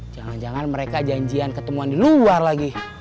jangan jangan mereka janjian ketemuan di luar lagi